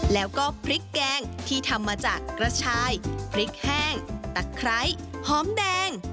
แล้วก็พริกแกงที่ทำมาจากกระชายพริกแห้งตะไคร้หอมแดง